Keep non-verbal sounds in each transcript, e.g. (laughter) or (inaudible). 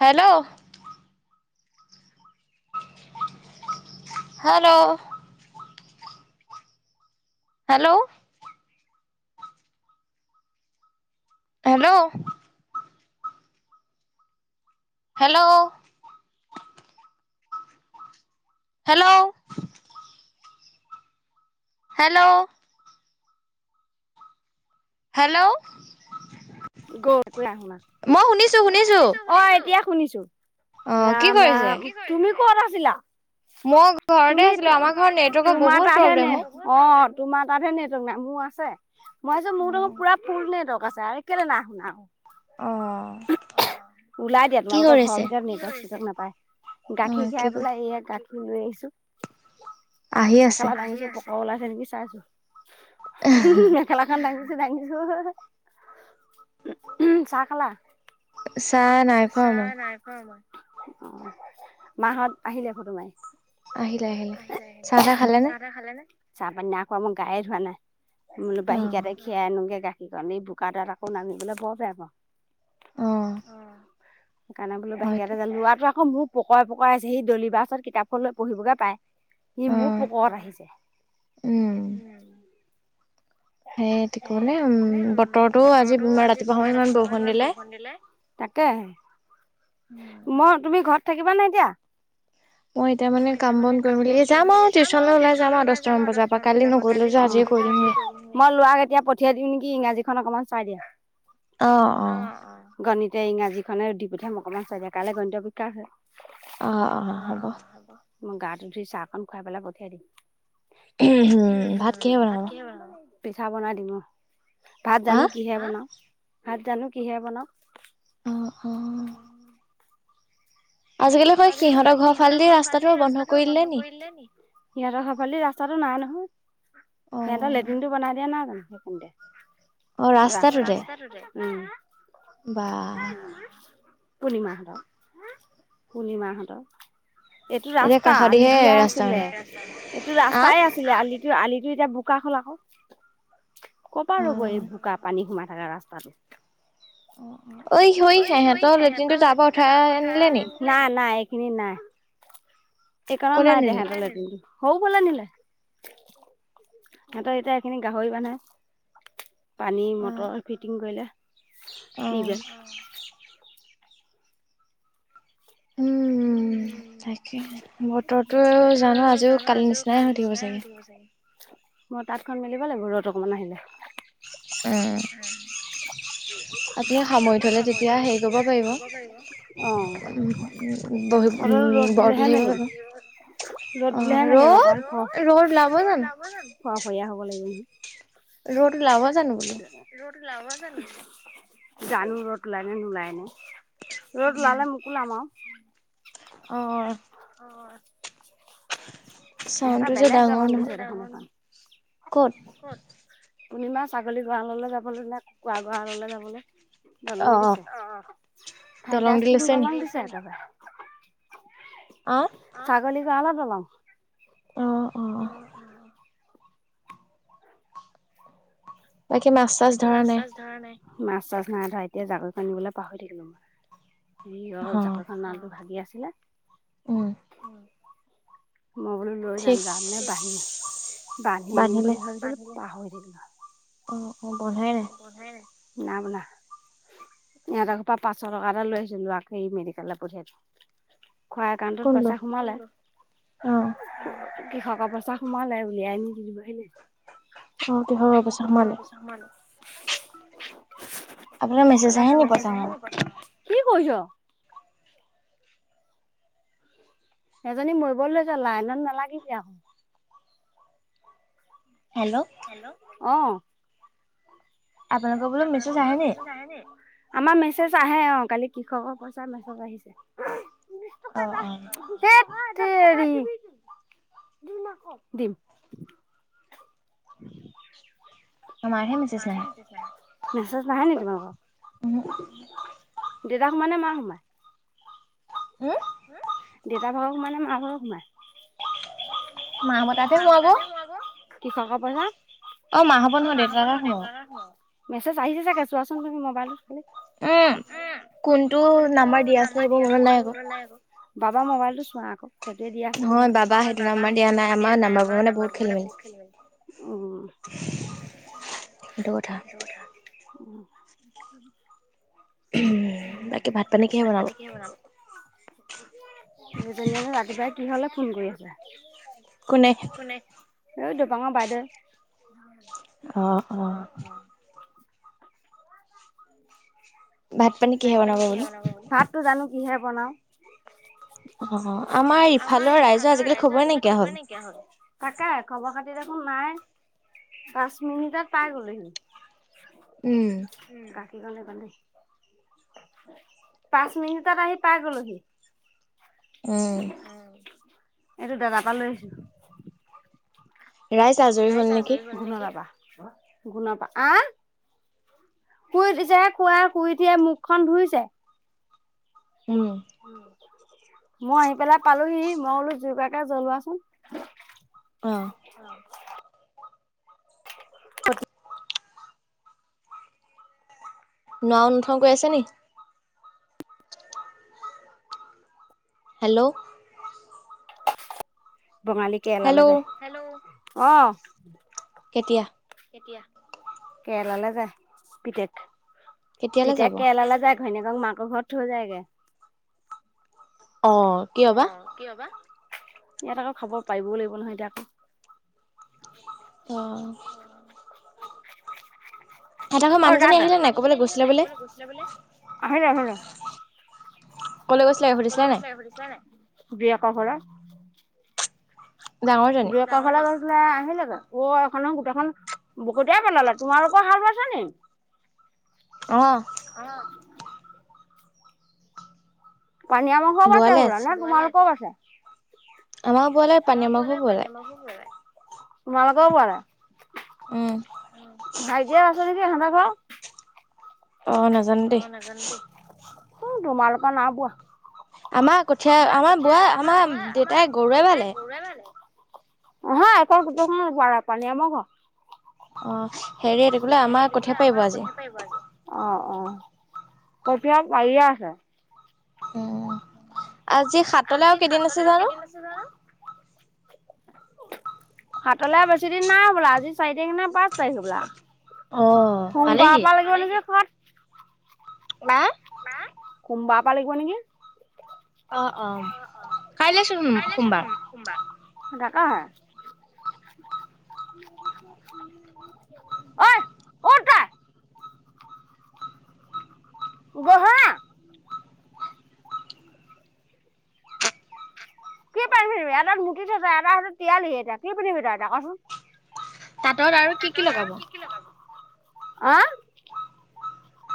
Hello, hello, hello, hello, hello, hello, hello, hello, গৈনা শুনা শুনা, মই শুনিছোঁ -শুনিছোঁ, অহ ', এতিয়া শুনিছো। ৰাম -ৰাম তুমি কত আছিলা? মই ঘৰতে আছিলো আমাৰ ঘৰত নেটৱৰ্কৰ বহুত প্ৰব্লেম অহ ', তোমাৰ তাত নেটৱৰ্ক নাই মোৰ আছে। মই আছো মোৰ তখো পুৰা ফুল নেটৱৰ্ক। কছ (unintelligible) কেলে নাহ না ওলাই দিয়া তোমালোকৰ ঘৰৰ ভিতৰত নেটৱৰ্ক সেটৱৰ্ক নাপাই। পায়। গাখীৰ খাই পেলাই এই গাখীৰ। শ ল আহিছো (unintelligible) মেখেলা দাঙি অ উলাইচে নেকি চাইছো। মেখেলাখন দাঙি (unintelligible) ছো চাহ খালা? চাহ নাই খোৱা আমাৰ। অ' অ', মাহত আহিলে ফটো মাই। আহিলে আহিলে, চাহ তাহ খালে নে? চাহ পানী নাই খোৱা, মই গায়ে ধোৱা নাই। মোলো বাহি কাতে খীৰাই আনোগে গা কি কয়, আমি বোকাটাত আকৌ নামিবলে বৰ বেয়া পাও। অহ। সেকাৰণে বোলো বাহিৰতে যাম, লোৱাতো আক অ মোৰ পকুৱাই পকুৱাই আছে, সি দলি বাৰ ওৰত কিতাপখন লৈ পঢ়িবগে পায় সি মোৰ পকত আহিছে। উম এ ঠিকে উম, বতৰটোও আজি ৰাতিপুৱা সময়ত ইমান বৰষুণ দিলে। তাকে মই, তুমি ঘৰত থাকিবা ন এতিয়া? মই এতিয়া মানে কাম বন কৰি মেলি যাম আৰু টিউচনলৈ ওলাই যাম আৰু দচটামান বজাৰ পৰা কালি নগৰি লৈ যে আজিয়েই কৰিমগে। তাক এতিয়া পঠিয়াই দিম নেকি, ইংৰাজীখন অকমান চাই দিয়া। অ অ, গানী এ ইংৰাজী খনে দি পঠিয়াম অকণমান চাগে, কাইলে গণিতৰ পৰীক্ষা আছে। অ অ, হ'ব। মই গাটো ধুই চাহকণ খুৱাই পেলাই পঠিয়াই দিম। হম হম, ভাত কিহে বনাব? পিঠা বনাই দিম। ভাত জানো কিহে বনাওঁ। ভাত জানো কিহে বনাও। অ অ। আজিকালি তই সিহঁতৰ ঘৰ ফালেদি ৰাস্তাটো বন্ধ কৰি দিলে নি? সিহঁতৰ ঘৰ ফালেদি ৰাস্তাটো নাই ন সিহতৰ লেট্ৰিনটো বনাই দিয়া নাই জানো, সেইখিনিতে। ৰাস্তাটোতে উম। বা। পূৰ্ণিমা হেতৰ পূৰ্ণিমাহঁতৰ এইটো ৰাস্তা আলি দিয়া আছিলে, এইটো ৰাস্তাই আছিলে আলিটো আলি ই এতিয়া বোকা হল আকৌ। কৰপা ৰ'ব এই বোকা পানী সোমাই তাৰে ৰাস্তাটো ঐ হৈ সে সিহঁতৰ লেট্ৰিনটো তাৰ পৰাা উঠাই আনিলে নি। নাই এইখিনি নাই। এইকাৰণেই নাই সিহঁতৰ লেট্ৰিনটো সৌফালে নিলে। (unintelligible) সিহঁতৰ এতিয়া এইখিন গা। হয় বা নাই। পানী মটৰ ফিটিং কৰিলে, ‌ টিউবেল উম বতৰটো জানো আজিওঁ কালিৰ নিচিনাই হয়, থাকিব চাগে। মই তাঁতখন মেলিব লাগিব ৰ'দ অকমান আহিলে। এতিয়া সামৰি পালেই তেতিয়া হেৰি কৰিব পাৰিব। বহি উ বদলিব আৰু অ', ৰ'দ ৰ'দ ওলাব জানো। ভয়া হ'ব লাগিব নহয়। ৰ'ড ওঁলাব জানো বোলো। জানো ৰ'দ ওলাই নে নোলাই নে ৰ'দ ওলালে মোকো ওলাম আৰু সিহঁতৰ বেলেগ দামং দিছে ক'ত। কুমিমা ছাগলী গড়ালৰ যাবলৈ নে কুকুৰা গঁড়াললে যাবলৈ। দলং দিছে অ', ফেনটাষ্টিং দলং দিছে। আওঁ। ছাগলী গড়ালৰ দলং। অ', অ', বাকী মাছ চাছ ধৰা নাই। মাছ চাছ নাই ধৰা এতিয়া জাকৈ খন আনিবলৈ পাহৰি থাকিলো মই অ', জাকৈ জ ভাগি আছে। (unintelligible) উ'ম। মই বোলো লৈ যাম -যাম নে বান্ধি -বান্ধি আনিম বুলি ভাবিছিলো। পাহৰি (unintelligible) অ', অ', বন্ধাই নাই। নাই বন্ধা। (unintelligible) আঠচ টকা লৈ আহিছিলো। লৰা খিনিক মেডিকেললে পঠিয়ালো। খোৱা একাউণ্টত পইচা সোমালে কৃষকৰ পইচা সোমালে উলিয়াই আনি দিবহি লাগ অ কৃষকৰ পইচা সোমালে (unintelligible) সোনকালে মেচেজ আহে নেকি পইচা সোমালে কি কৈছ এজনী মৰিবলে লৈছে লাইনত নালাগিবি আও হেল্ল অ আপোনালোকৰ বোলো মেছেজ আহে নি আমাৰ মেচেজ মেচেজ আহে অ কালি কৃষকৰ পইচা মেছেজ আহিছে বিশ টকা এটা হেইত তেৰি দিম উম মেছেজ নাহে নে তোমালোকৰ দেউতাও সোমাই মাও সোমাই হম দেউতা ভাগৰ সোমায় নে মা ভাগৰ সোমায় মাহ পতাতে সোমাব কৃষকৰ পইচা অ মাহ হ'ব নহয় দেউতাৰ হে সোমাই মেছেজ আহিছে চাগে চোৱাচোন তুমি মোবাইলত উম কোনটো নাম্বাৰ দিয়া আছিল সেই বোৰ মনত নাই আকৌ বাবা মোবাইল টো চোৱা আক সেইটোয়ে দিয়া আছে কিজান নহয় বাবা সেইটো নাম্বাৰ দিয়া নাই আমাৰ নাম্বাৰবোৰ মানে বহুত খেলি মেলি উম সেইটো কথা উম বাকী ভাত পানী কিহে বনাব দুজনীয়েনো ৰাতিপুৱাই কিহ'লে ফোন কৰি আছে কোনে এ দোপঙ বাইদেউয়ে অহ অ ভাত পানী কিহে বনাব বোলে ভাততো জানো কিহে বনাও অ আমাৰ ইফালৰ ৰাইজৰ আজিকালি খবৰে নাইকিয়া হল তাকে খবৰ খাতিত একো নাই পাঁচ মিনিটত পাই গলহি উম কি কনে পালি (unintelligible) পাঁচ মিনিটত আহি পাই গলোহি (unintelligible) উম এইটো দাদাৰ পৰা লৈ আছো ৰাইজ আজৰি হল নেকি গুণৰ পৰা আহ শুই উঠিছে খুৱাই শুই উঠিয়ে মুখখন ধুইছে (unintelligible) মই আহি পেলাই পালোহি মই বোলো যোগাৰ এটা জ্বলোৱাচোন অ'। (inaudible) নোৱাও নঠও কৈ আছে নি হেল্ল' বঙাল কেলল যায় হেলল (unintelligible) আহ এতিয়া কেতিয়া? কেৰেলালে যায় পিতেক পিতেক কেৰেলালে যায়, ঘৈনীয়েকক মাক ঘৰত থৈ যায়গে (unintelligible) অ' কিয় বা? ইয়াত আকৌ খবৰ পাৰিবও লাগিব নহয় এতিয়া আকৌ অ'। সেতা ঘৰৰ মুহজনী আহিলে নে ক'বলৈ গৈছিলে বুলি (unintelligible) কবলে গৈছিলে বোলে হৰা হ (unintelligible) কলৈ গৈছিলে সুধিছিলা নাই বিয়া ক'ত হলা? যিয়েক ঘৰলে হৈছিলে আহিলে জানো অ এখন গোটেইখন বকতয়াই পেলালে তোমালোকৰ হাল বাইছ নি অ পানিয়া মাংসব আছেল ন তমাল কব (unintelligible) (inaudible) আমাৰও বোৱলে আৰু পানী আমাকো পোৱলায় (unintelligible) তোমালোকে পাৰে ভাইটিয়ে আছে নেকি স হ (unintelligible) অ নাজানো দেই উম তোমালোকৰ নাই পোৱা। আমাৰ কঠীয়া আমাৰ বোৱা আমাৰ দেউতাই গৰুৱে বালে (unintelligible) অ' হেৰি দিবলে আমাৰ কঠিয়া পাৰিব আজি। অ কপীয়া পাৰিয়ে আছে উ আজি সাতলে আৰু কেইদিন আছে জানো (unintelligible) হাতলৈ বেছিদিন নাই হবলা আজি চাৰি তাৰিখ নে পাঁচ তাৰিখ হলা সোমবাৰৰ পৰা লাগিব নেকি সাত। ন সোমবা পা লাগিব নেকি। অ অ কাইলৈ চোন সোমবাৰ। তাকে হে, ঐ উঠ তই। গহয়া। কি পেন পিন্ধিবি? এটাত মুতি থৈছ, এটা তিয়ালিহি এটিয়া। কি পিন্ধিবি এটিয়া ক'চোন। তাঁতত আৰু কি কি লগাব? আ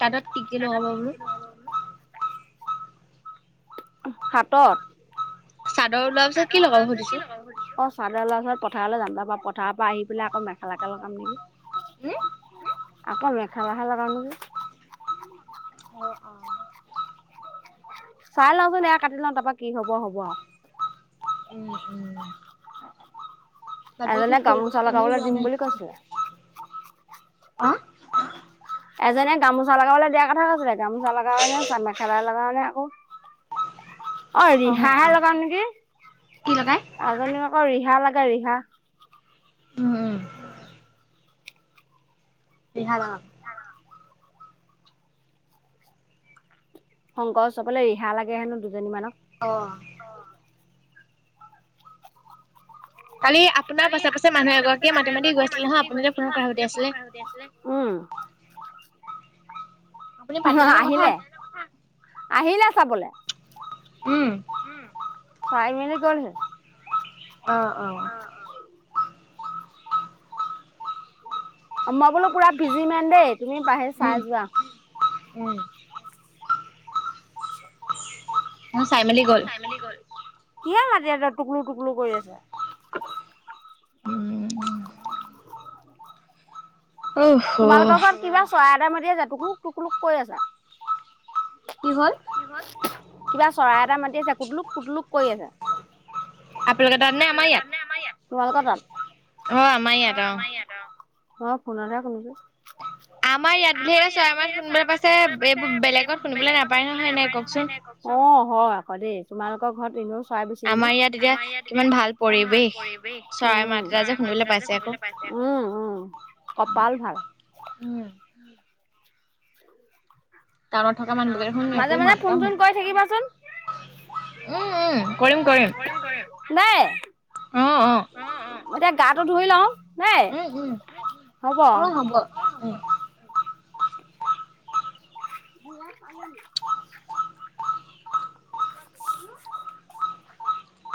তাঁতত কি কি লগাব বুলো? হাতত। চাদৰ ওলোৱা পিছত কি লগাব সুধিছো। চাদৰ লৈ হৈ পথাৰলে যাম তা পা পথাৰৰ পৰা আহি পেলে আকৌ মেখেলাকে লগাম নেকি। হমম? আকৌ মেখেলা হে লগাও নেকি। চাই লওচোন এয়া কাটি লওঁ তাৰপা কি হব হ'ব আৰু এজনে গামোচা লগাবলৈ দিম বুলি কৈছিলে। অঁ। এজনীয়ে গামোচা লগাবলে দিয়া কথা কৈছিলে। গামোচা লগাও এ নে চা মেখেলা লগাও নে, আকৌ। অ ৰিহাহে লগাম নেকি? এজনীক আকৌ ৰিহা লাগে ৰিহা। উম। বিহাৰা শংকৰ চবলে ৰিহা লাগে হেনো দুজনী মানক। কালি আপোনাৰ পাছে পাছে মানুহ এগৰাকীয়ে মাতি মাতি গৈ আছিলে হা আপুনি যে ফোনত কথা পাতি আছিলে আপুনি পাতিলে নে কথা? আহিলে চাবলে। চাই মেলি গলহি। অ অ মই বোলো পুৰা ভিজিমে দেই। তুমি পাহে চাই যোৱা। অ' চাই মেলি গ'ল। কিহে মাতি আছে টুকলু টুকলু কৰি আছে। (unintelligible) তোমালোকৰ ঘৰত কিবা চৰাই এটা ম এতিয়া যে টোকুলুক টোকুলুক কৰি আছে। কি হল? কিবা চৰাই এটাই মাতি আছে কুটলুক কুটলুক কৰি আছে। আপোনালোকৰ তাত নে আমাৰ ইয়াত? তোমালোকৰ তাত। উম আমাৰ ইয়াত অঁ। অ পুনৰা (unintelligible) আমাৰ ইয়াত বুলি হে চৰাই মাত শুনিবলৈ পাইছে, এইবোৰ বেলেগত শুনিবলৈ নাপায় নহয় হয় নাই কওকচোন? দেই তোমালোকৰ ঘৰত এ- চৰাই পৰিছে নেকি আমাৰ ইয়াত এতিয়া ইমান ভাল পৰিৱেশ চৰাই মাজে ঘুৰিলে পাইছে। ত (unintelligible) কপাল ভাল। উম। মাজে মাজে ফোন চোন কৰি থাকিবাচোন দেই, এতিয়া গাটো ধুই লওঁ। উম উম অ হ'ব উম। (unintelligible) উ (unintelligible)